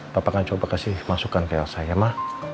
papa akan coba kasih masukan ke elsa ya ma